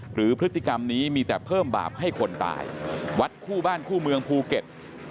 หรือพฤติกรรมนี้มีแต่เพิ่มบาปให้คนตายวัดคู่บ้านคู่เมืองภูเก็ต